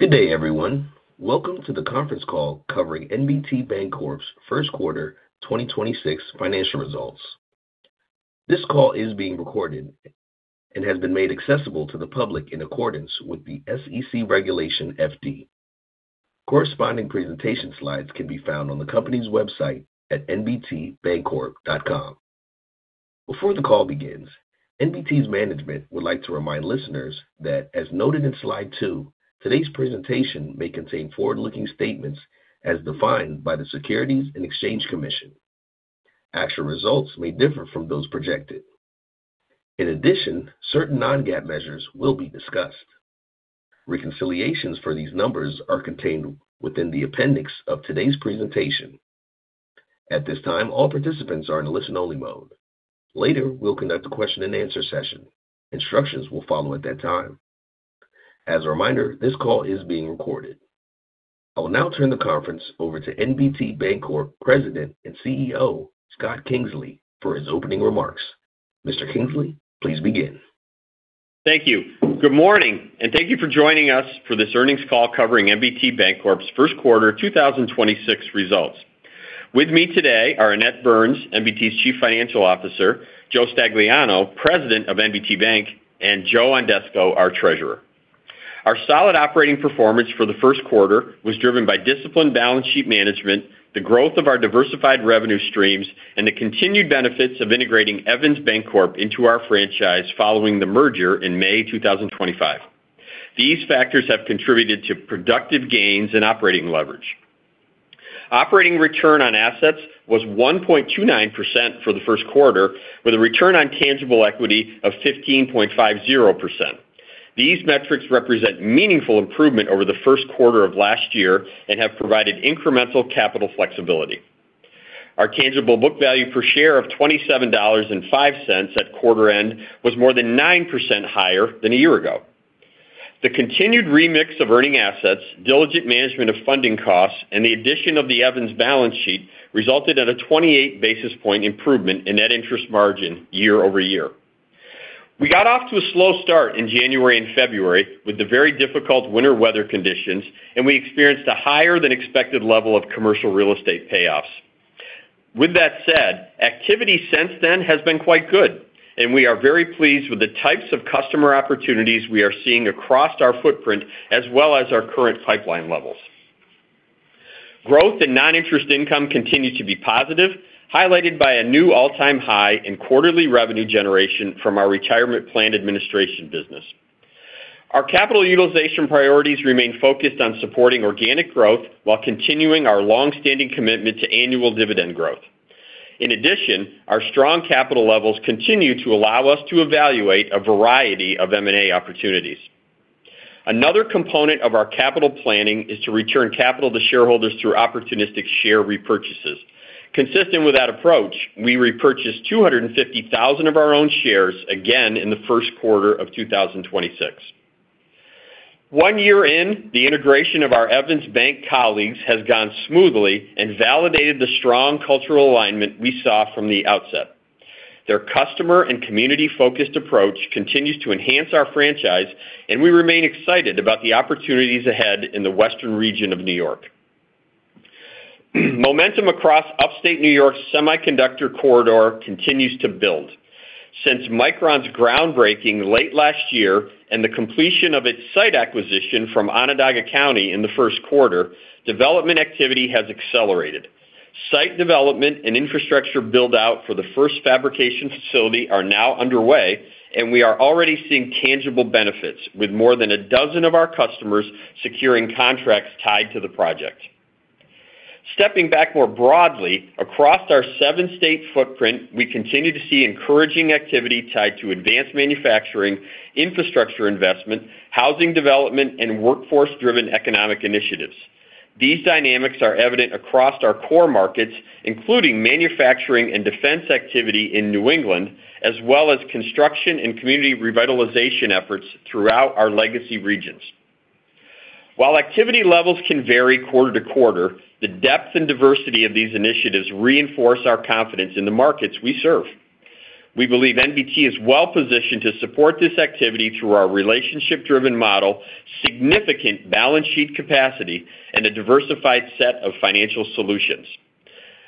Good day, everyone. Welcome to the conference call covering NBT Bancorp's first quarter 2026 financial results. This call is being recorded and has been made accessible to the public in accordance with the SEC Regulation FD. Corresponding presentation slides can be found on the company's website at nbtbancorp.com. Before the call begins, NBT's management would like to remind listeners that, as noted in slide two, today's presentation may contain forward-looking statements as defined by the Securities and Exchange Commission. Actual results may differ from those projected. In addition, certain non-GAAP measures will be discussed. Reconciliations for these numbers are contained within the appendix of today's presentation. At this time, all participants are in a listen-only mode. Later, we'll conduct a question and answer session. Instructions will follow at that time. As a reminder, this call is being recorded. I will now turn the conference over to NBT Bancorp President and CEO, Scott Kingsley, for his opening remarks. Mr. Kingsley, please begin. Thank you. Good morning, and thank you for joining us for this earnings call covering NBT Bancorp's first quarter 2026 results. With me today are Annette Burns, NBT's Chief Financial Officer, Joe Stagliano, President of NBT Bank, and Joe Ondesko, our treasurer. Our solid operating performance for the first quarter was driven by disciplined balance sheet management, the growth of our diversified revenue streams, and the continued benefits of integrating Evans Bancorp into our franchise following the merger in May 2025. These factors have contributed to productive gains in operating leverage. Operating return on assets was 1.29% for the first quarter, with a return on tangible equity of 15.50%. These metrics represent meaningful improvement over the first quarter of last year and have provided incremental capital flexibility. Our tangible book value per share of $27.05 at quarter end was more than 9% higher than a year ago. The continued remix of earning assets, diligent management of funding costs, and the addition of the Evans balance sheet resulted in a 28 basis point improvement in net interest margin year-over-year. We got off to a slow start in January and February with the very difficult winter weather conditions, and we experienced a higher than expected level of commercial real estate payoffs. With that said, activity since then has been quite good, and we are very pleased with the types of customer opportunities we are seeing across our footprint, as well as our current pipeline levels. Growth in non-interest income continued to be positive, highlighted by a new all-time high in quarterly revenue generation from our retirement plan administration business. Our capital utilization priorities remain focused on supporting organic growth while continuing our long-standing commitment to annual dividend growth. In addition, our strong capital levels continue to allow us to evaluate a variety of M&A opportunities. Another component of our capital planning is to return capital to shareholders through opportunistic share repurchases. Consistent with that approach, we repurchased 250,000 of our own shares again in the first quarter of 2026. One year in, the integration of our Evans Bank colleagues has gone smoothly and validated the strong cultural alignment we saw from the outset. Their customer and community-focused approach continues to enhance our franchise, and we remain excited about the opportunities ahead in the western region of New York. Momentum across Upstate New York's semiconductor corridor continues to build. Since Micron's groundbreaking late last year and the completion of its site acquisition from Onondaga County in the first quarter, development activity has accelerated. Site development and infrastructure build-out for the first fabrication facility are now underway, and we are already seeing tangible benefits, with more than a dozen of our customers securing contracts tied to the project. Stepping back more broadly, across our seven-state footprint, we continue to see encouraging activity tied to advanced manufacturing, infrastructure investment, housing development, and workforce-driven economic initiatives. These dynamics are evident across our core markets, including manufacturing and defense activity in New England, as well as construction and community revitalization efforts throughout our legacy regions. While activity levels can vary quarter to quarter, the depth and diversity of these initiatives reinforce our confidence in the markets we serve. We believe NBT is well positioned to support this activity through our relationship-driven model, significant balance sheet capacity, and a diversified set of financial solutions.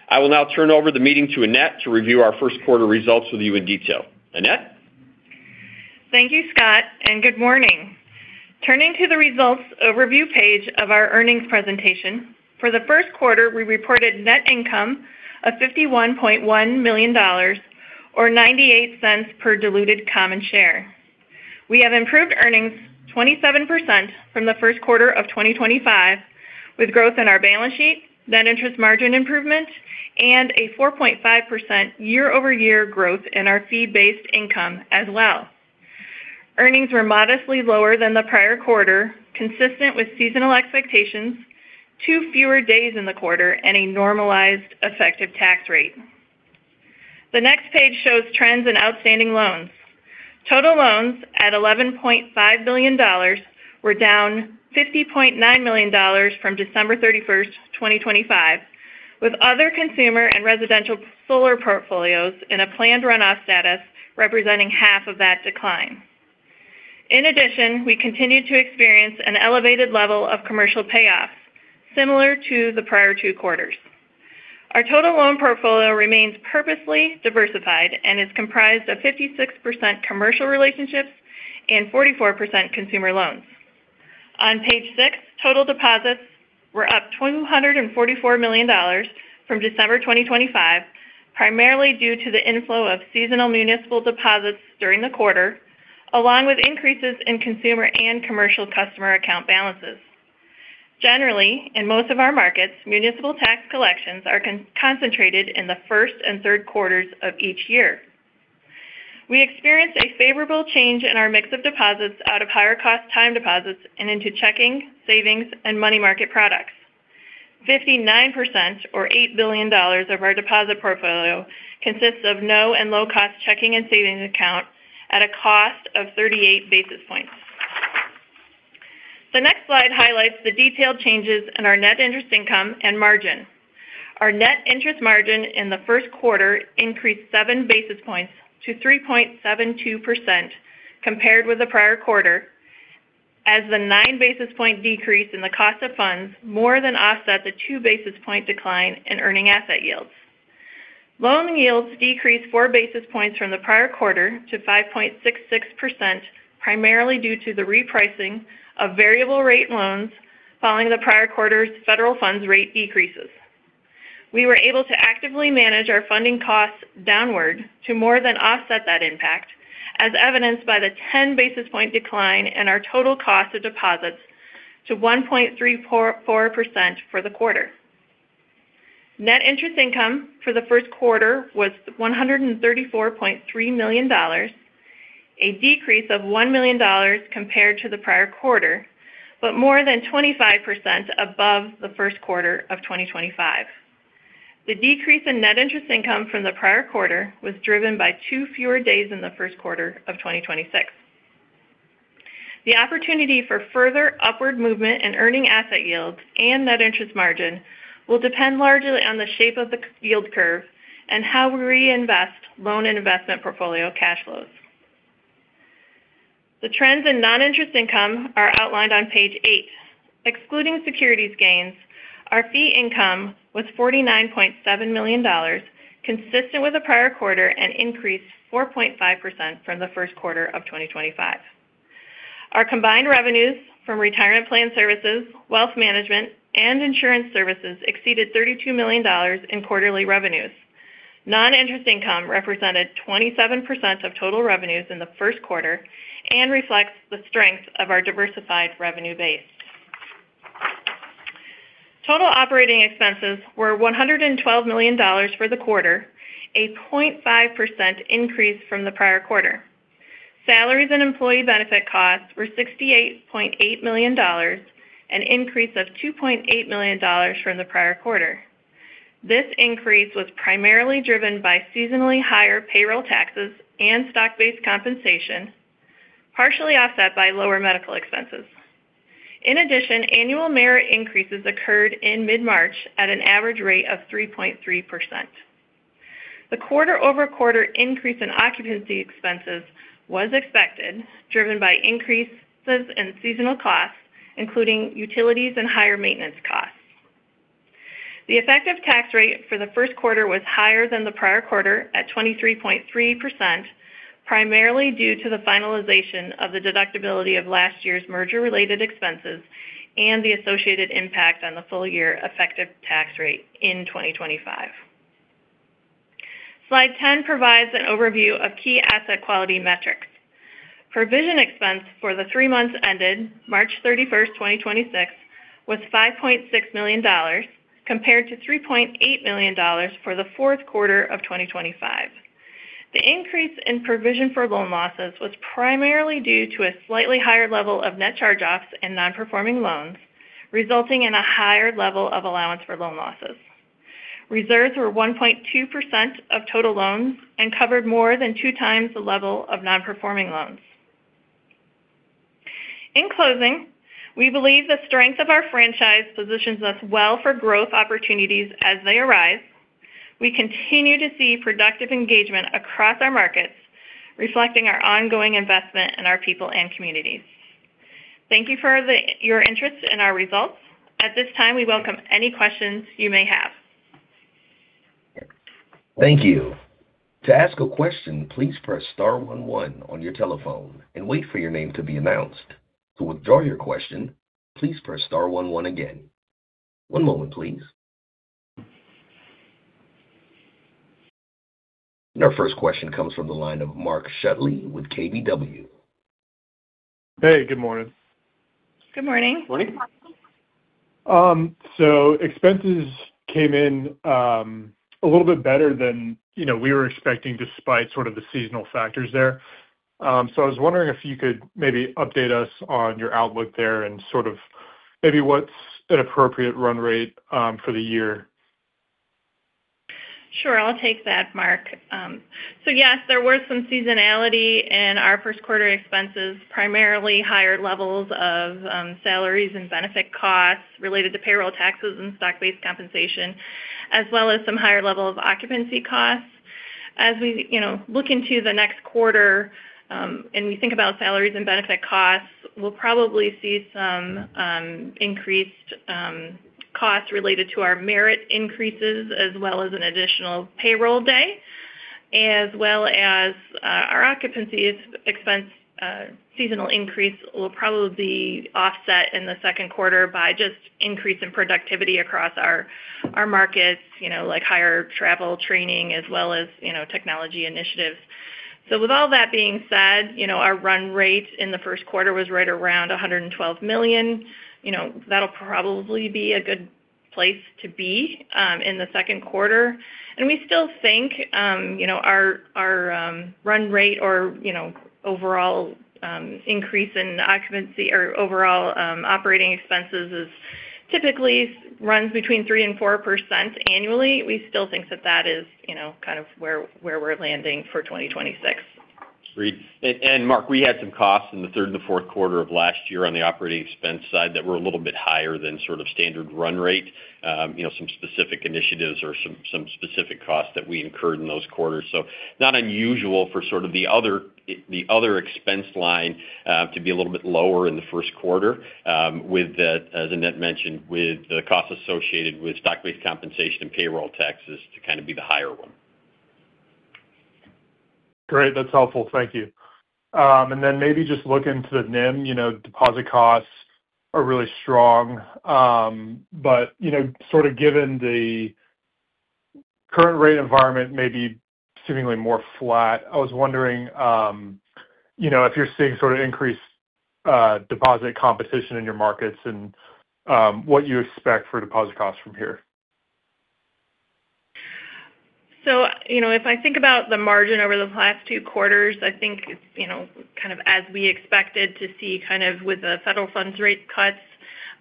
I will now turn over the meeting to Annette to review our first quarter results with you in detail. Annette? Thank you, Scott, and good morning. Turning to the results overview page of our earnings presentation. For the first quarter, we reported net income of $51.1 million, or 98 cents per diluted common share. We have improved earnings 27% from the first quarter of 2025, with growth in our balance sheet, net interest margin improvement, and a 4.5% year-over-year growth in our fee-based income as well. Earnings were modestly lower than the prior quarter, consistent with seasonal expectations, two fewer days in the quarter, and a normalized effective tax rate. The next page shows trends in outstanding loans. Total loans at $11.5 billion were down $50.9 million from December 31st, 2025. With other consumer and residential solar portfolios in a planned runoff status representing half of that decline. In addition, we continued to experience an elevated level of commercial payoffs, similar to the prior two quarters. Our total loan portfolio remains purposely diversified and is comprised of 56% commercial relationships and 44% consumer loans. On page six, total deposits were up $244 million from December 2025, primarily due to the inflow of seasonal municipal deposits during the quarter, along with increases in consumer and commercial customer account balances. Generally, in most of our markets, municipal tax collections are concentrated in the first and third quarters of each year. We experienced a favorable change in our mix of deposits out of higher cost time deposits and into checking, savings, and money market products. 59% or $8 billion of our deposit portfolio consists of no and low-cost checking and savings accounts at a cost of 38 basis points. The next slide highlights the detailed changes in our net interest income and margin. Our net interest margin in the first quarter increased 7 basis points to 3.72% compared with the prior quarter. As the 9 basis point decrease in the cost of funds more than offset the 2 basis point decline in earning asset yields. Loan yields decreased 4 basis points from the prior quarter to 5.66% primarily due to the repricing of variable rate loans following the prior quarter's federal funds rate decreases. We were able to actively manage our funding costs downward to more than offset that impact, as evidenced by the 10 basis point decline in our total cost of deposits to 1.34% for the quarter. Net interest income for the first quarter was $134.3 million, a decrease of $1 million compared to the prior quarter, but more than 25% above the first quarter of 2025. The decrease in net interest income from the prior quarter was driven by two fewer days in the first quarter of 2026. The opportunity for further upward movement in earning asset yields and net interest margin will depend largely on the shape of the yield curve and how we reinvest loan and investment portfolio cash flows. The trends in non-interest income are outlined on page eight. Excluding securities gains, our fee income was $49.7 million, consistent with the prior quarter, and increased 4.5% from the first quarter of 2025. Our combined revenues from retirement plan services, wealth management, and insurance services exceeded $32 million in quarterly revenues. Non-interest income represented 27% of total revenues in the first quarter and reflects the strength of our diversified revenue base. Total operating expenses were $112 million for the quarter, a 0.5% increase from the prior quarter. Salaries and employee benefit costs were $68.8 million, an increase of $2.8 million from the prior quarter. This increase was primarily driven by seasonally higher payroll taxes and stock-based compensation, partially offset by lower medical expenses. In addition, annual merit increases occurred in mid-March at an average rate of 3.3%. The quarter-over-quarter increase in occupancy expenses was expected, driven by increases in seasonal costs, including utilities and higher maintenance costs. The effective tax rate for the first quarter was higher than the prior quarter at 23.3%, primarily due to the finalization of the deductibility of last year's merger-related expenses and the associated impact on the full year effective tax rate in 2025. Slide 10 provides an overview of key asset quality metrics. Provision expense for the three months ended March 31, 2026 was $5.6 million compared to $3.8 million for the fourth quarter of 2025. The increase in provision for loan losses was primarily due to a slightly higher level of net charge-offs and non-performing loans, resulting in a higher level of allowance for loan losses. Reserves were 1.2% of total loans and covered more than 2x the level of non-performing loans. In closing, we believe the strength of our franchise positions us well for growth opportunities as they arise. We continue to see productive engagement across our markets, reflecting our ongoing investment in our people and communities. Thank you for your interest in our results. At this time, we welcome any questions you may have. Thank you. To ask a question please press star one one on your telephone and wait for your name to be announce. To withdraw your question please press star one one again. One moment please. Our first question comes from the line of Mark Shutley with KBW. Hey, good morning. Good morning. Morning. Expenses came in a little bit better than we were expecting despite sort of the seasonal factors there. I was wondering if you could maybe update us on your outlook there and sort of maybe what's an appropriate run rate for the year? Sure. I'll take that, Mark. Yes, there was some seasonality in our first quarter expenses, primarily higher levels of salaries and benefit costs related to payroll taxes and stock-based compensation, as well as some higher level of occupancy costs. As we look into the next quarter, and we think about salaries and benefit costs, we'll probably see some increased costs related to our merit increases, as well as an additional payroll day, as well as our occupancies expense seasonal increase will probably be offset in the second quarter by just increase in productivity across our markets, like higher travel training as well as technology initiatives. With all that being said, our run rate in the first quarter was right around $112 million. That'll probably be a good place to be in the second quarter. We still think our run rate or overall increase in occupancy or overall operating expenses is typically runs between 3% and 4% annually. We still think that is kind of where we're landing for 2026. Great. Mark, we had some costs in the third and the fourth quarter of last year on the operating expense side that were a little bit higher than sort of standard run rate. Some specific initiatives or some specific costs that we incurred in those quarters. Not unusual for sort of the other expense line to be a little bit lower in the first quarter with that, as Annette mentioned, with the cost associated with stock-based compensation and payroll taxes to kind of be the higher one. Great. That's helpful. Thank you. Maybe just look into the NIM. Deposit costs are really strong. Sort of given the current rate environment may be seemingly more flat. I was wondering if you're seeing increased deposit competition in your markets and what you expect for deposit costs from here. If I think about the margin over the last two quarters, I think it's kind of as we expected to see kind of with the federal funds rate cuts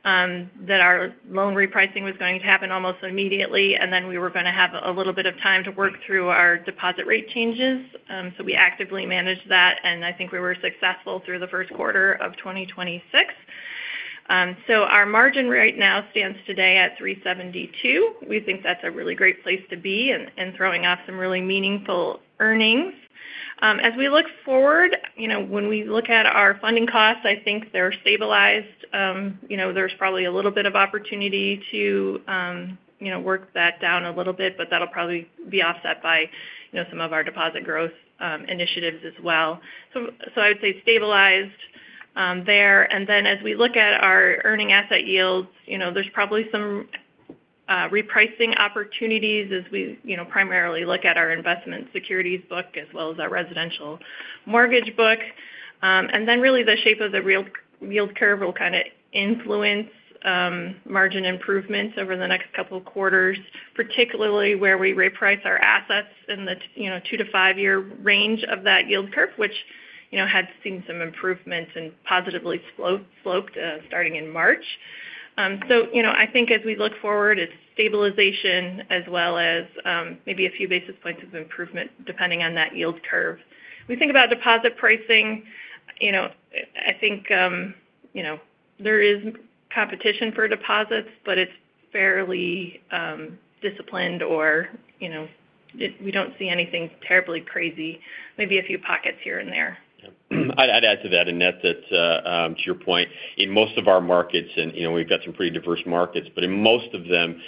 that our loan repricing was going to happen almost immediately, and then we were going to have a little bit of time to work through our deposit rate changes. We actively managed that, and I think we were successful through the first quarter of 2026. Our margin right now stands today at 372. We think that's a really great place to be in throwing off some really meaningful earnings. As we look forward, when we look at our funding costs, I think they're stabilized. There's probably a little bit of opportunity to work that down a little bit, but that'll probably be offset by some of our deposit growth initiatives as well. I would say stabilized there. As we look at our earning asset yields, there's probably some repricing opportunities as we primarily look at our investment securities book as well as our residential mortgage book. Really the shape of the yield curve will kind of influence margin improvements over the next couple of quarters, particularly where we reprice our assets in the 2-5-year range of that yield curve, which had seen some improvements and positively sloped starting in March. I think as we look forward, it's stabilization as well as maybe a few basis points of improvement depending on that yield curve. We think about deposit pricing, I think there is competition for deposits, but it's fairly disciplined or we don't see anything terribly crazy. Maybe a few pockets here and there. I'd add to that, Annette, that to your point, in most of our markets, and we've got some pretty diverse markets, but in most of them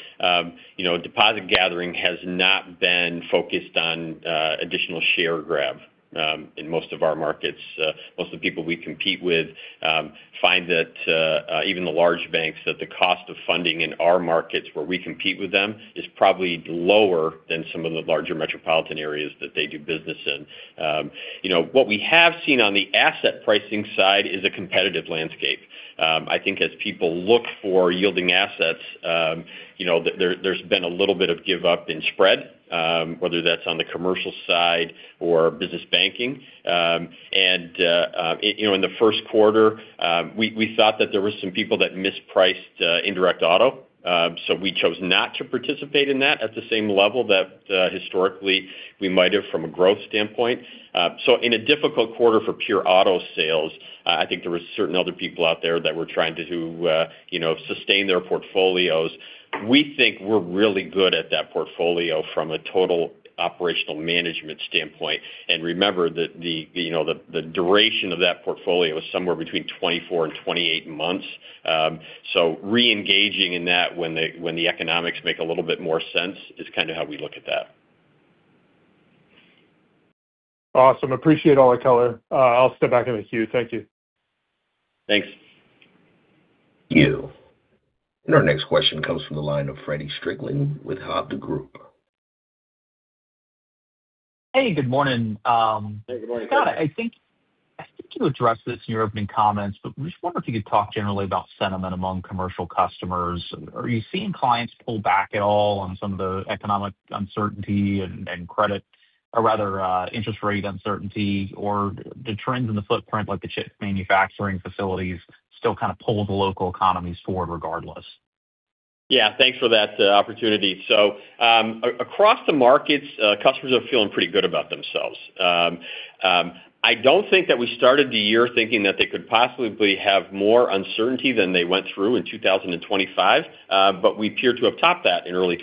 deposit gathering has not been focused on additional share grab in most of our markets. Most of the people we compete with find that even the large banks, that the cost of funding in our markets where we compete with them is probably lower than some of the larger metropolitan areas that they do business in. What we have seen on the asset pricing side is a competitive landscape. I think as people look for yielding assets there's been a little bit of give up in spread whether that's on the commercial side or business banking. In the first quarter, we thought that there were some people that mispriced indirect auto. We chose not to participate in that at the same level that historically we might have from a growth standpoint. In a difficult quarter for pure auto sales, I think there were certain other people out there that were trying to sustain their portfolios. We think we're really good at that portfolio from a total operational management standpoint. Remember the duration of that portfolio is somewhere between 24 and 28 months. Reengaging in that when the economics make a little bit more sense is kind of how we look at that. Awesome. Appreciate all the color. I'll step back in the queue. Thank you. Thanks. Our next question comes from the line of Feddie Strickland with Hovde Group. Hey, good morning. Hey, good morning. Scott, I think you addressed this in your opening comments, but I'm just wondering if you could talk generally about sentiment among commercial customers. Are you seeing clients pull back at all on some of the economic uncertainty and credit, or rather interest rate uncertainty? Or the trends in the footprint, like the chip manufacturing facilities still kind of pull the local economies forward regardless? Yeah, thanks for that opportunity. Across the markets, customers are feeling pretty good about themselves. I don't think that we started the year thinking that they could possibly have more uncertainty than they went through in 2025, but we appear to have topped that in early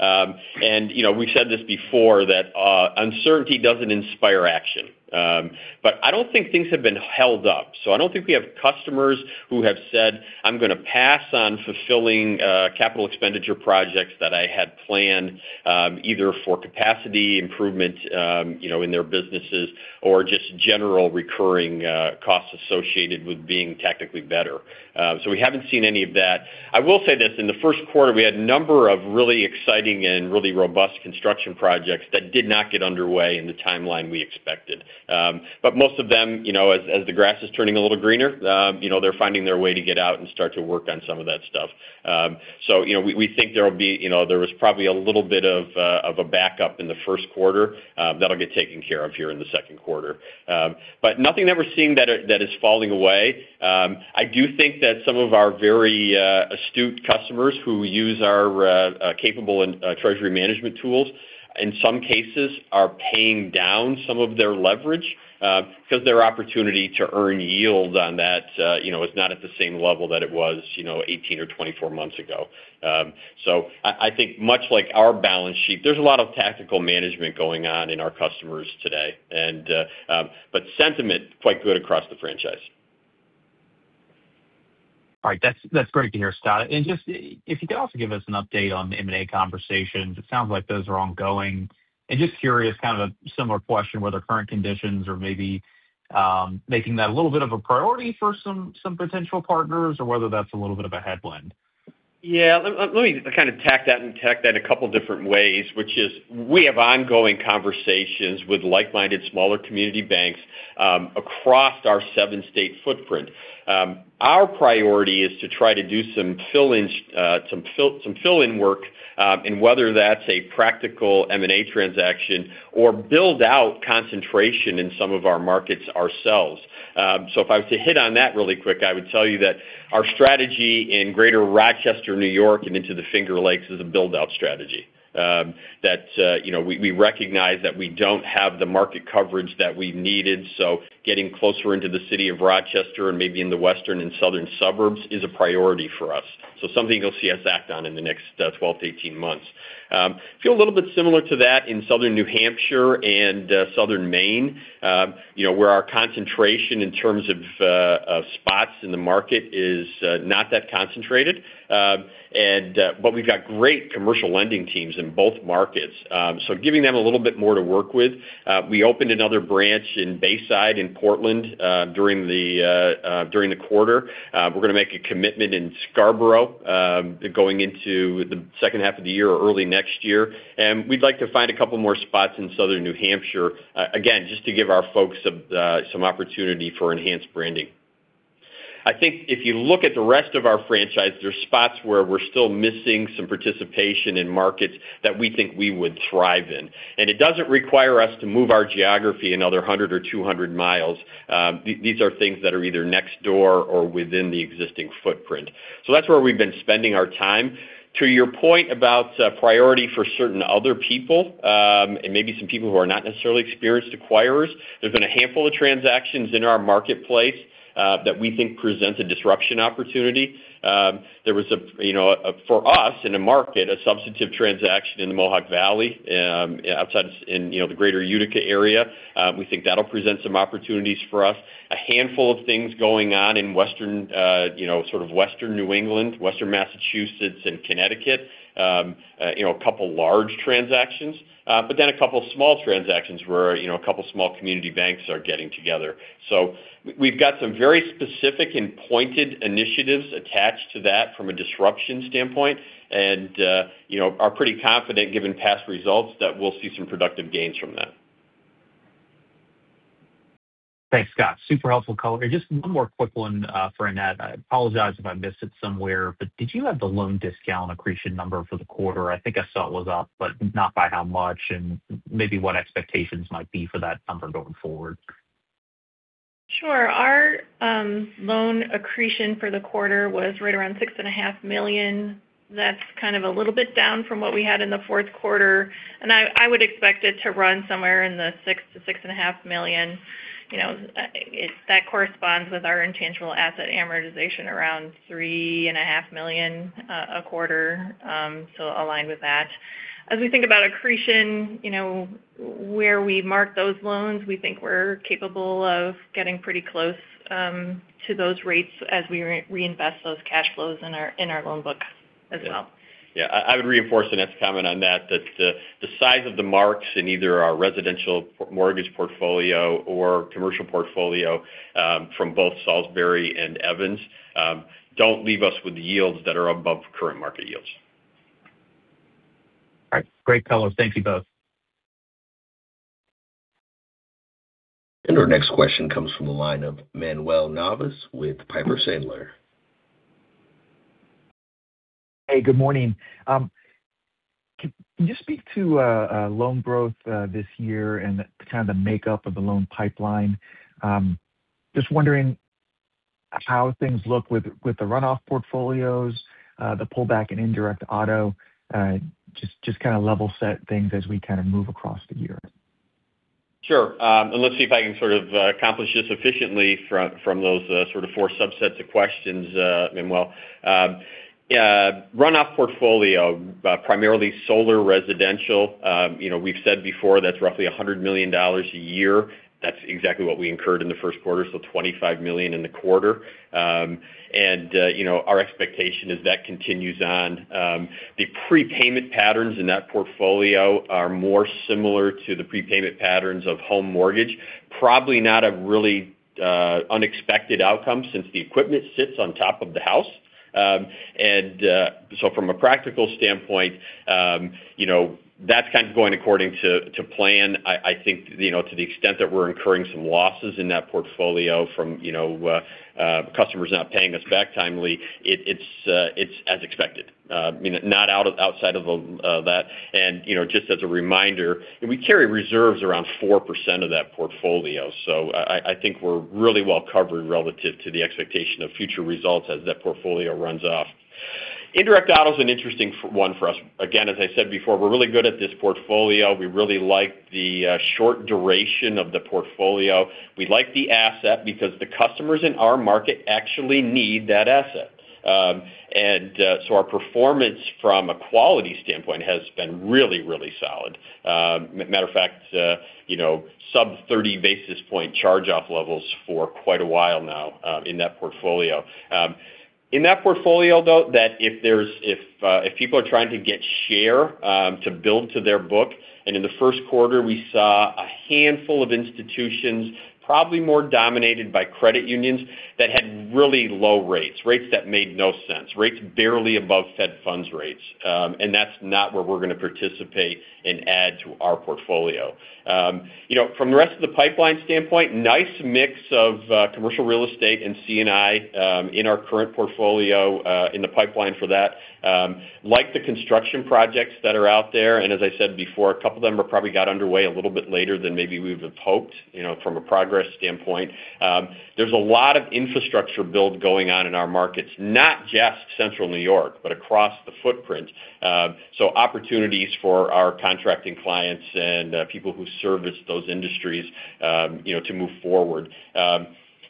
2026. We've said this before, that uncertainty doesn't inspire action. I don't think things have been held up. I don't think we have customers who have said, "I'm going to pass on fulfilling capital expenditure projects that I had planned," either for capacity improvement in their businesses or just general recurring costs associated with being technically better. We haven't seen any of that. I will say this, in the first quarter, we had a number of really exciting and really robust construction projects that did not get underway in the timeline we expected. Most of them, as the grass is turning a little greener, they're finding their way to get out and start to work on some of that stuff. We think there was probably a little bit of a backup in the first quarter that'll get taken care of here in the second quarter. Nothing that we're seeing that is falling away. I do think that some of our very astute customers who use our capital and treasury management tools, in some cases are paying down some of their leverage because their opportunity to earn yield on that is not at the same level that it was 18 or 24 months ago. I think much like our balance sheet, there's a lot of tactical management going on in our customers today. Sentiment is quite good across the franchise. All right. That's great to hear, Scott. If you could also give us an update on the M&A conversations. It sounds like those are ongoing. Just curious, kind of a similar question, whether current conditions are maybe making that a little bit of a priority for some potential partners, or whether that's a little bit of a headwind. Yeah. Let me kind of tackle that a couple different ways, which is, we have ongoing conversations with like-minded smaller community banks across our seven-state footprint. Our priority is to try to do some fill-in work, and whether that's a practical M&A transaction or build out concentration in some of our markets ourselves. If I was to hit on that really quick, I would tell you that our strategy in greater Rochester, New York and into the Finger Lakes is a build-out strategy, that we recognize that we don't have the market coverage that we needed, so getting closer into the city of Rochester and maybe in the western and southern suburbs is a priority for us. Something you'll see us act on in the next 12-18 months. It feels a little bit similar to that in southern New Hampshire and southern Maine, where our concentration in terms of spots in the market is not that concentrated. We've got great commercial lending teams in both markets, so giving them a little bit more to work with. We opened another branch in Bayside in Portland during the quarter. We're going to make a commitment in Scarborough going into the second half of the year or early next year. We'd like to find a couple more spots in southern New Hampshire, again, just to give our folks some opportunity for enhanced branding. I think if you look at the rest of our franchise, there's spots where we're still missing some participation in markets that we think we would thrive in. It doesn't require us to move our geography another 100 or 200 miles. These are things that are either next door or within the existing footprint. That's where we've been spending our time. To your point about priority for certain other people, and maybe some people who are not necessarily experienced acquirers, there's been a handful of transactions in our marketplace that we think present a disruption opportunity. There was, for us in the market, a substantive transaction in the Mohawk Valley outside in the greater Utica area. We think that'll present some opportunities for us. A handful of things going on in sort of western New England, western Massachusetts and Connecticut. A couple large transactions. A couple small transactions where a couple small community banks are getting together. We've got some very specific and pointed initiatives attached to that from a disruption standpoint, and are pretty confident given past results that we'll see some productive gains from that. Thanks, Scott. Super helpful color. Just one more quick one for Annette. I apologize if I missed it somewhere, but did you have the loan discount accretion number for the quarter? I think I saw it was up, but not by how much, and maybe what expectations might be for that number going forward. Sure. Our loan accretion for the quarter was right around $6.5 million. That's kind of a little bit down from what we had in the fourth quarter. I would expect it to run somewhere in the $6 million-$6.5 million. That corresponds with our intangible asset amortization around $3.5 million a quarter, so aligned with that. As we think about accretion, where we mark those loans, we think we're capable of getting pretty close to those rates as we reinvest those cash flows in our loan book as well. Yeah. I would reinforce Annette's comment on that the size of the marks in either our residential mortgage portfolio or commercial portfolio from both Salisbury and Evans don't leave us with yields that are above current market yields. All right. Great colors. Thank you both. Our next question comes from the line of Manuel Navas with Piper Sandler. Hey, good morning. Can you speak to loan growth this year and the makeup of the loan pipeline? Just wondering how things look with the runoff portfolios, the pullback in indirect auto, just kind of level set things as we move across the year. Sure. Let's see if I can sort of accomplish this efficiently from those sort of four subsets of questions, Manuel. Runoff portfolio, primarily solar, residential. We've said before, that's roughly $100 million a year. That's exactly what we incurred in the first quarter, so $25 million in the quarter. Our expectation is that continues on. The prepayment patterns in that portfolio are more similar to the prepayment patterns of home mortgage. Probably not a really unexpected outcome since the equipment sits on top of the house. From a practical standpoint, that's kind of going according to plan. I think to the extent that we're incurring some losses in that portfolio from customers not paying us back timely, it's as expected. Not outside of that. Just as a reminder, we carry reserves around 4% of that portfolio. I think we're really well covered relative to the expectation of future results as that portfolio runs off. Indirect auto is an interesting one for us. Again, as I said before, we're really good at this portfolio. We really like the short duration of the portfolio. We like the asset because the customers in our market actually need that asset. Our performance from a quality standpoint has been really, really solid. Matter of fact, sub 30 basis point charge-off levels for quite a while now in that portfolio. In that portfolio, though, that if people are trying to get share to build to their book, and in the first quarter we saw a handful of institutions, probably more dominated by credit unions, that had really low rates. Rates that made no sense, rates barely above federal funds rates. That's not where we're going to participate and add to our portfolio. From the rest of the pipeline standpoint, nice mix of commercial real estate and C&I in our current portfolio in the pipeline for that. Like the construction projects that are out there, and as I said before, a couple of them probably got underway a little bit later than maybe we would have hoped from a progress standpoint. There's a lot of infrastructure build going on in our markets, not just Central New York, but across the footprint. Opportunities for our contracting clients and people who service those industries to move forward.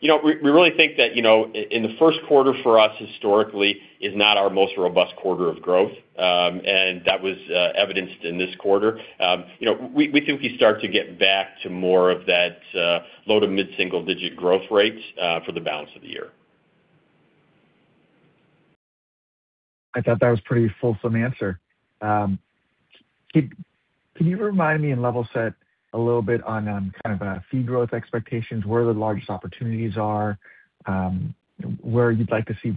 We really think that in the first quarter for us historically is not our most robust quarter of growth. That was evidenced in this quarter. We think you start to get back to more of that low- to mid-single-digit% growth rates for the balance of the year. I thought that was a pretty fulsome answer. Can you remind me and level set a little bit on kind of fee growth expectations, where the largest opportunities are, where you'd like to see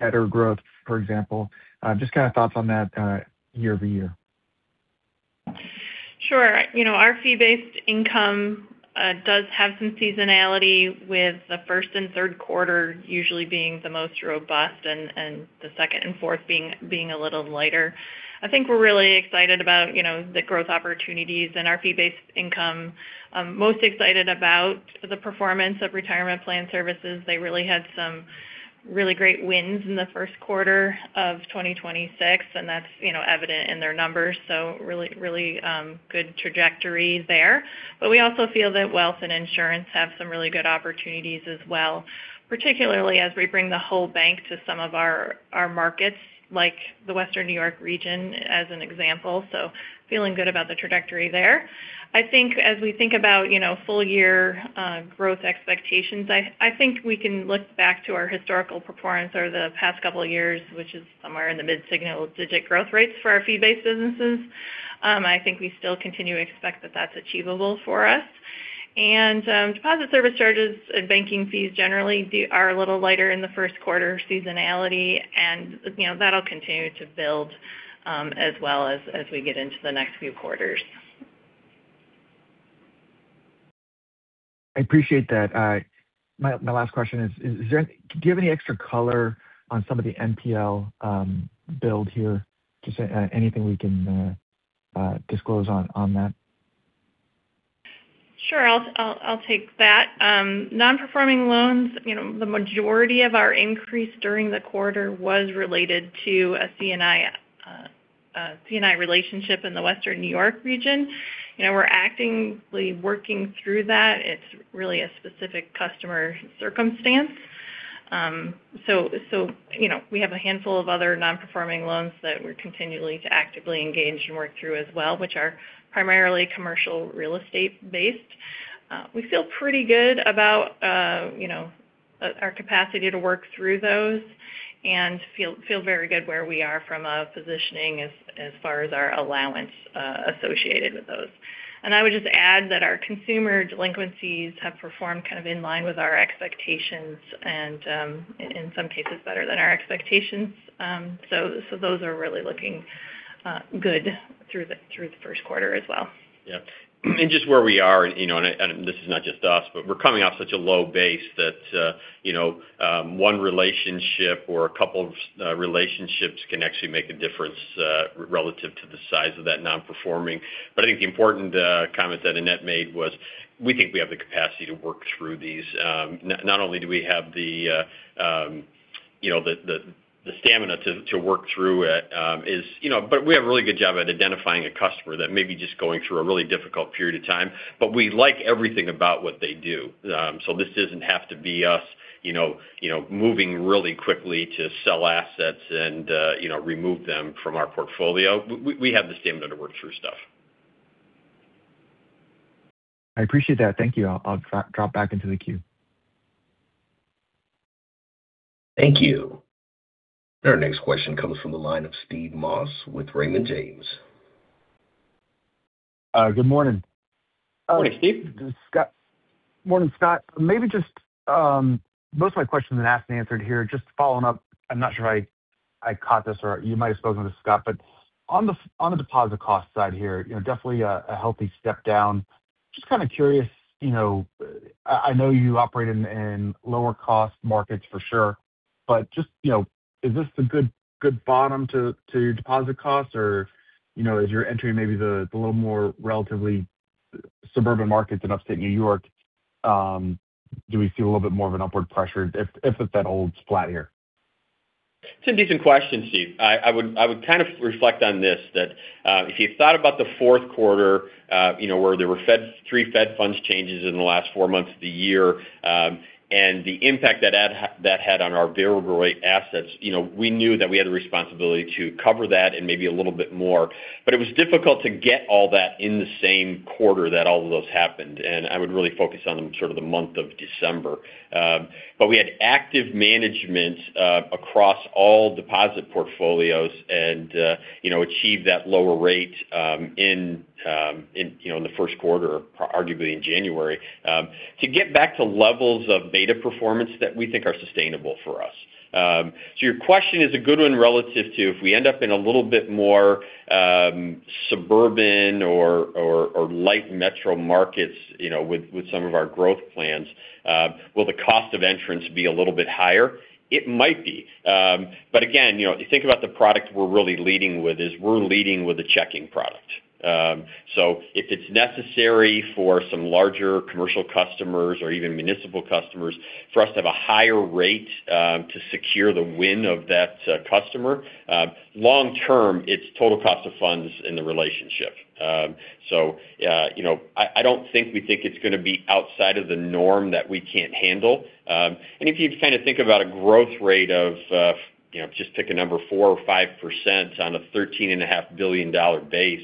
better growth, for example? Just kind of thoughts on that year-over-year. Sure. Our fee-based income does have some seasonality with the first and third quarter usually being the most robust and the second and fourth being a little lighter. I think we're really excited about the growth opportunities in our fee-based income, most excited about the performance of retirement plan services. They really had some really great wins in the first quarter of 2026, and that's evident in their numbers, really good trajectory there. We also feel that wealth and insurance have some really good opportunities as well, particularly as we bring the whole bank to some of our markets, like the Western New York region, as an example, feeling good about the trajectory there. I think as we think about full year growth expectations, I think we can look back to our historical performance over the past couple of years, which is somewhere in the mid-single-digit growth rates for our fee-based businesses. I think we still continue to expect that that's achievable for us. Deposit service charges and banking fees generally are a little lighter in the first quarter seasonality, and that'll continue to build as well as we get into the next few quarters. I appreciate that. My last question is, do you have any extra color on some of the NPL build here? Just anything we can disclose on that? Sure. I'll take that. Non-performing loans, the majority of our increase during the quarter was related to a C&I relationship in the Western New York region. We're actively working through that. It's really a specific customer circumstance. We have a handful of other non-performing loans that we're continually actively engaged and work through as well, which are primarily commercial real estate based. We feel pretty good about our capacity to work through those and feel very good where we are from a positioning as far as our allowance associated with those. I would just add that our consumer delinquencies have performed kind of in line with our expectations and in some cases better than our expectations. Those are really looking good through the first quarter as well. Yeah. Just where we are, and this is not just us, but we're coming off such a low base that one relationship or a couple of relationships can actually make a difference relative to the size of that non-performing. I think the important comment that Annette made was, we think we have the capacity to work through these. Not only do we have the stamina to work through it, but we have a really good job at identifying a customer that may be just going through a really difficult period of time. We like everything about what they do. This doesn't have to be us moving really quickly to sell assets and remove them from our portfolio. We have the stamina to work through stuff. I appreciate that. Thank you. I'll drop back into the queue. Thank you. Our next question comes from the line of Steve Moss with Raymond James. Good morning. Morning, Steve. This is Scott. Morning, Scott. Most of my questions have been asked and answered here. Just following up, I'm not sure I caught this, or you might have spoken to this, Scott, but on the deposit cost side here, definitely a healthy step down. Just kind of curious, I know you operate in lower cost markets for sure, but is this the good bottom to your deposit costs? Or as you're entering maybe the little more relatively suburban markets in Upstate New York, do we see a little bit more of an upward pressure if it then holds flat here? It's a decent question, Steve. I would kind of reflect on this, that if you thought about the fourth quarter, where there were three Fed Funds changes in the last four months of the year, and the impact that had on our variable-rate assets, we knew that we had a responsibility to cover that and maybe a little bit more. It was difficult to get all that in the same quarter that all of those happened, and I would really focus on sort of the month of December. We had active management across all deposit portfolios and achieved that lower rate in the first quarter, arguably in January, to get back to levels of beta performance that we think are sustainable for us. Your question is a good one relative to if we end up in a little bit more suburban or light metro markets with some of our growth plans, will the cost of entry be a little bit higher? It might be. Again, if you think about the product we're really leading with is we're leading with a checking product. If it's necessary for some larger commercial customers or even municipal customers for us to have a higher rate to secure the win of that customer, long term, it's total cost of funds in the relationship. I don't think we think it's going to be outside of the norm that we can't handle. If you kind of think about a growth rate of, just pick a number, 4% or 5% on a $13.5 billion base,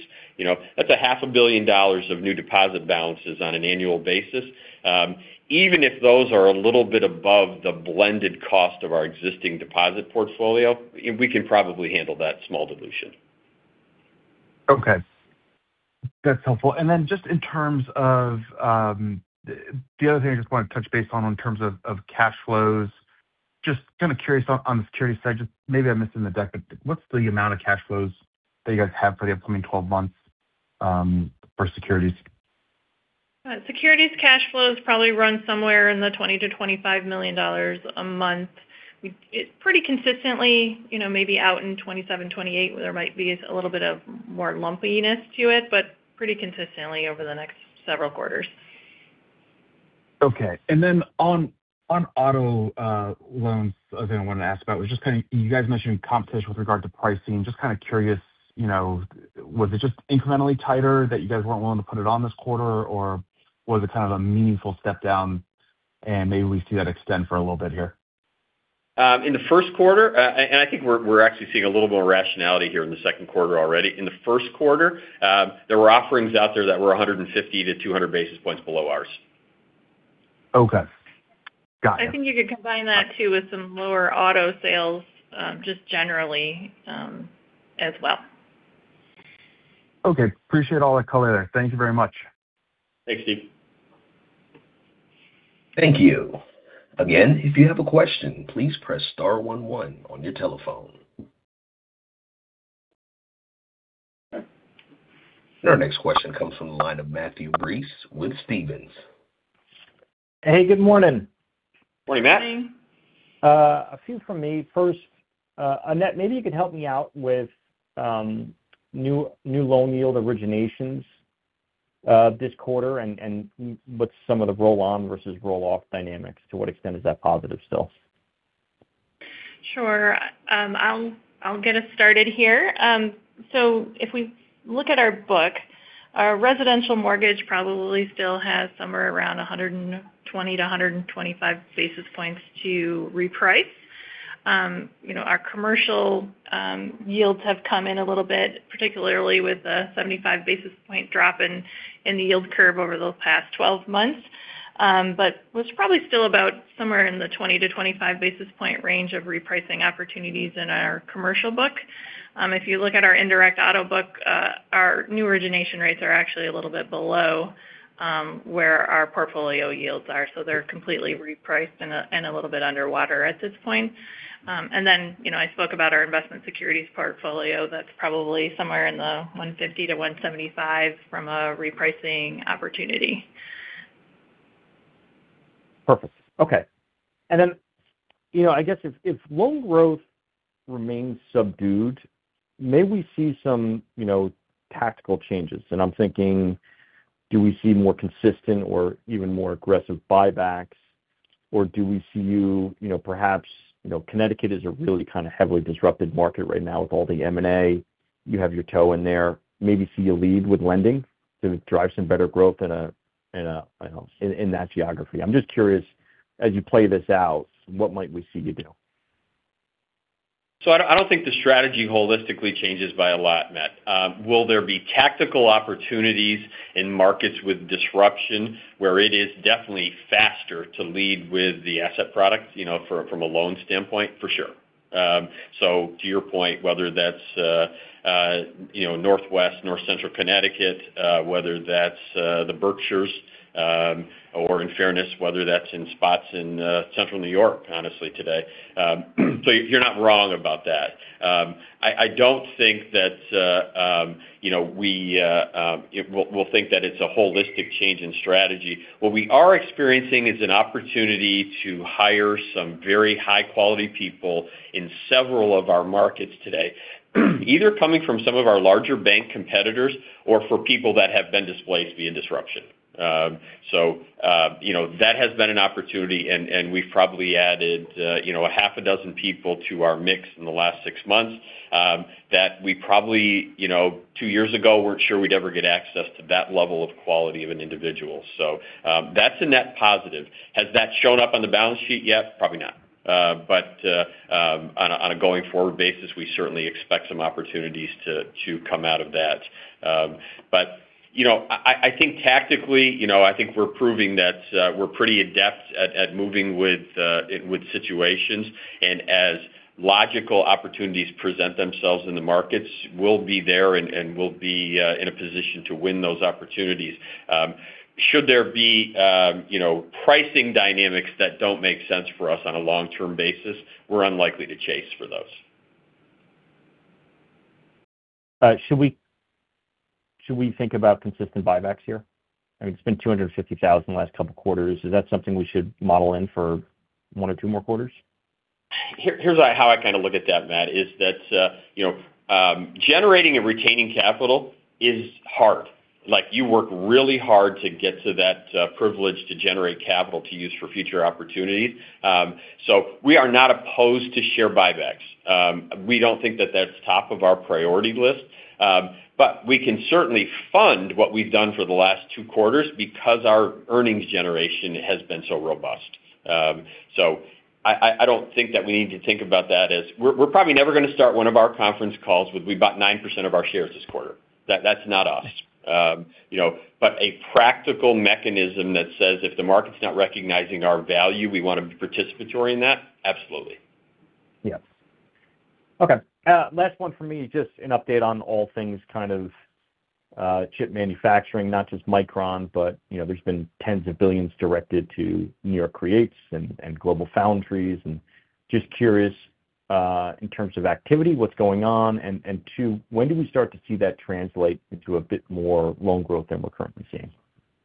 that's a half a billion dollars of new deposit balances on an annual basis. Even if those are a little bit above the blended cost of our existing deposit portfolio, we can probably handle that small dilution. Okay. That's helpful. Just in terms of the other thing I just want to touch base on in terms of cash flows, just kind of curious on the securities side, just maybe I missed in the deck, but what's the amount of cash flows that you guys have for the upcoming 12 months for securities? Securities cash flows probably run somewhere in the $20 million-$25 million a month. It's pretty consistently, maybe out in 2027, 2028, there might be a little bit more lumpiness to it, but pretty consistently over the next several quarters. Okay. On auto loans, other thing I wanted to ask about was just kind of, you guys mentioned competition with regard to pricing. Just kind of curious, was it just incrementally tighter that you guys weren't willing to put it on this quarter? Or was it kind of a meaningful step down and maybe we see that extend for a little bit here? In the first quarter, and I think we're actually seeing a little more rationality here in the second quarter already. In the first quarter, there were offerings out there that were 150-200 basis points below ours. Okay. Got it. I think you could combine that too with some lower auto sales, just generally, as well. Okay. Appreciate all that color there. Thank you very much. Thanks, Steve. Thank you. Again, if you have a question, please press star one one on your telephone. Our next question comes from the line of Matthew Breese with Stephens. Hey, good morning. Morning, Matt. A few from me. First, Annette, maybe you could help me out with new loan yield originations this quarter and what's some of the roll-on versus roll-off dynamics. To what extent is that positive still? Sure. I'll get us started here. If we look at our book, our residential mortgage probably still has somewhere around 120-125 basis points to reprice. Our commercial yields have come in a little bit, particularly with a 75 basis point drop in the yield curve over the past 12 months. It's probably still about somewhere in the 20-25 basis point range of repricing opportunities in our commercial book. If you look at our indirect auto book Our new origination rates are actually a little bit below where our portfolio yields are, so they're completely repriced and a little bit underwater at this point. I spoke about our investment securities portfolio. That's probably somewhere in the 150-175 from a repricing opportunity. Perfect. Okay. I guess if loan growth remains subdued, may we see some tactical changes? I'm thinking, do we see more consistent or even more aggressive buybacks, or do we see you perhaps, Connecticut is a really kind of heavily disrupted market right now with all the M&A. You have your toe in there. Maybe see you lead with lending to drive some better growth in that geography. I'm just curious, as you play this out, what might we see you do? I don't think the strategy holistically changes by a lot, Matt. Will there be tactical opportunities in markets with disruption where it is definitely faster to lead with the asset product from a loan standpoint? For sure. To your point, whether that's northwest, north central Connecticut, whether that's the Berkshires, or in fairness, whether that's in spots in central New York, honestly, today. You're not wrong about that. I don't think that we'll think that it's a holistic change in strategy. What we are experiencing is an opportunity to hire some very high-quality people in several of our markets today, either coming from some of our larger bank competitors or for people that have been displaced via disruption. That has been an opportunity, and we've probably added six people to our mix in the last six months that we probably two years ago weren't sure we'd ever get access to that level of quality of an individual. That's a net positive. Has that shown up on the balance sheet yet? Probably not. On a going-forward basis, we certainly expect some opportunities to come out of that. I think tactically, I think we're proving that we're pretty adept at moving with situations. As logical opportunities present themselves in the markets, we'll be there and we'll be in a position to win those opportunities. Should there be pricing dynamics that don't make sense for us on a long-term basis, we're unlikely to chase for those. Should we think about consistent buybacks here? I mean, it's been 250,000 the last couple of quarters. Is that something we should model in for one or two more quarters? Here's how I kind of look at that, Matt, is that generating and retaining capital is hard. You work really hard to get to that privilege to generate capital to use for future opportunities. We are not opposed to share buybacks. We don't think that that's top of our priority list. We can certainly fund what we've done for the last two quarters because our earnings generation has been so robust. I don't think that we need to think about that as we're probably never going to start one of our conference calls with we bought 9% of our shares this quarter. That's not us. A practical mechanism that says if the market's not recognizing our value, we want to be participatory in that. Absolutely. Yes. Okay, last one for me. Just an update on all things kind of chip manufacturing, not just Micron, but there's been $ tens of billions directed to NY CREATES and GlobalFoundries. Just curious, in terms of activity, what's going on? Two, when do we start to see that translate into a bit more loan growth than we're currently seeing?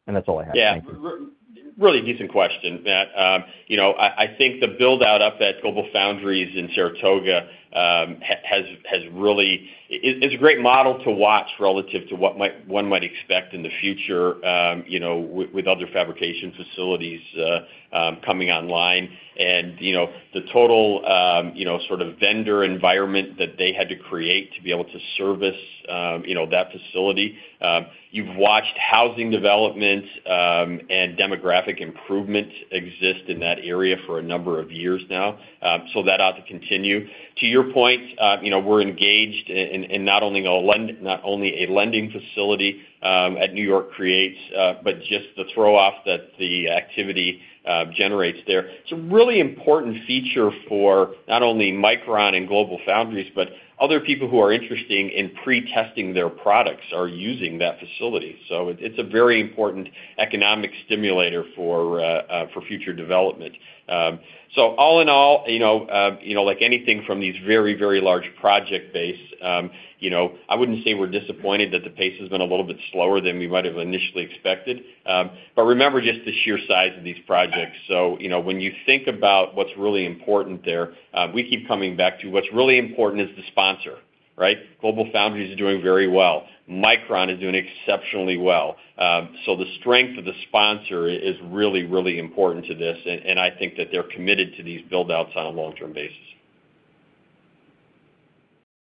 That's all I have. Thank you. Yeah. Really decent question, Matt. I think the build-out up at GlobalFoundries in Saratoga is a great model to watch relative to what one might expect in the future with other fabrication facilities coming online. The total sort of vendor environment that they had to create to be able to service that facility. You've watched housing development and demographic improvement exist in that area for a number of years now, so that ought to continue. To your point, we're engaged in not only a lending facility at NY CREATES, but just the throw off that the activity generates there. It's a really important feature for not only Micron and GlobalFoundries, but other people who are interested in pre-testing their products are using that facility. It's a very important economic stimulator for future development. All in all, like anything from these very, very large project base, I wouldn't say we're disappointed that the pace has been a little bit slower than we might have initially expected. Remember just the sheer size of these projects. When you think about what's really important there, we keep coming back to what's really important is the sponsor, right? GlobalFoundries is doing very well. Micron is doing exceptionally well. The strength of the sponsor is really, really important to this, and I think that they're committed to these build-outs on a long-term basis.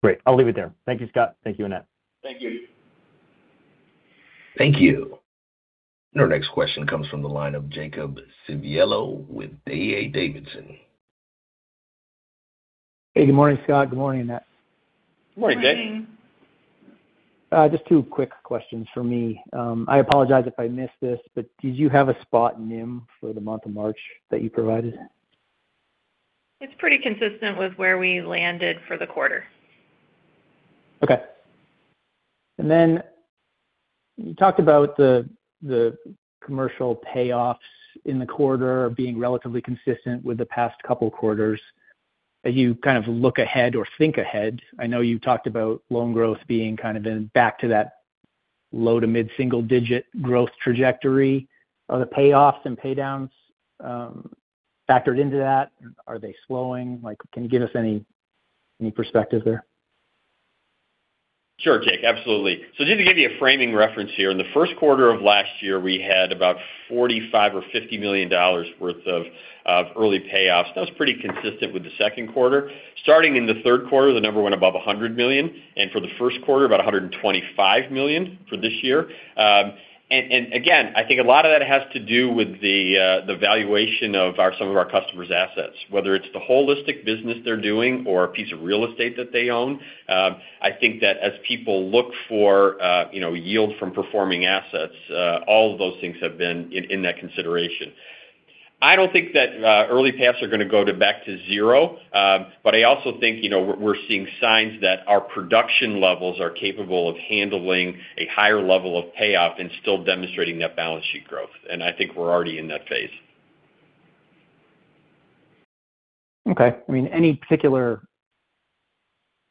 Great. I'll leave it there. Thank you, Scott. Thank you, Annette. Thank you. Thank you. Our next question comes from the line of Jake Civiello with D.A. Davidson. Hey, good morning, Scott. Good morning, Matt. Good morning, Jake. Just two quick questions for me. I apologize if I missed this, but did you have a spot NIM for the month of March that you provided? It's pretty consistent with where we landed for the quarter. Okay. You talked about the commercial payoffs in the quarter being relatively consistent with the past couple quarters. As you kind of look ahead or think ahead, I know you talked about loan growth being kind of back to that low- to mid-single digit growth trajectory. Are the payoffs and pay downs factored into that? Are they slowing? Can you give us any perspective there? Sure, Jake. Absolutely. Just to give you a frame of reference here, in the first quarter of last year, we had about $45 million or $50 million worth of early payoffs. That was pretty consistent with the second quarter. Starting in the third quarter, the number went above $100 million, and for the first quarter, about $125 million for this year. Again, I think a lot of that has to do with the valuation of some of our customers' assets, whether it's the holistic business they're doing or a piece of real estate that they own. I think that as people look for yield from performing assets, all of those things have been in that consideration. I don't think that early payoffs are going to go back to zero. I also think we're seeing signs that our production levels are capable of handling a higher level of payoff and still demonstrating that balance sheet growth. I think we're already in that phase. Okay. Any particular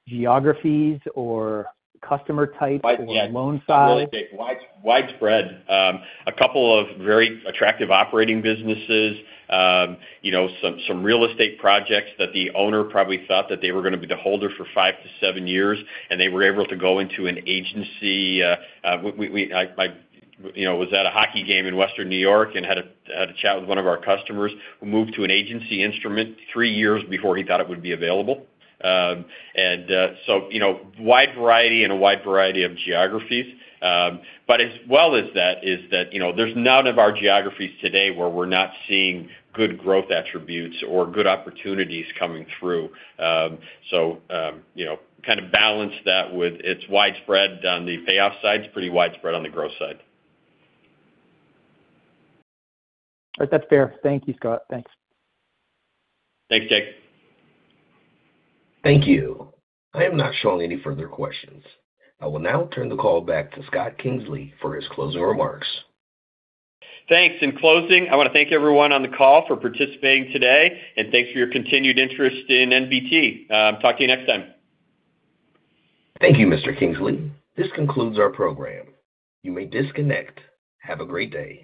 geographies or customer types or loan size? Really big. Widespread. A couple of very attractive operating businesses. Some real estate projects that the owner probably thought that they were going to be the holder for five- seven years, and they were able to go into an agency. I was at a hockey game in Western New York and had a chat with one of our customers who moved to an agency instrument three years before he thought it would be available. Wide variety and a wide variety of geographies. As well as that is that there's none of our geographies today where we're not seeing good growth attributes or good opportunities coming through. Kind of balance that with it's widespread on the payoff side. It's pretty widespread on the growth side. All right. That's fair. Thank you, Scott. Thanks. Thanks, Jake. Thank you. I am not showing any further questions. I will now turn the call back to Scott Kingsley for his closing remarks. Thanks. In closing, I want to thank everyone on the call for participating today, and thanks for your continued interest in NBT. Talk to you next time. Thank you, Mr. Kingsley. This concludes our program. You may disconnect. Have a great day.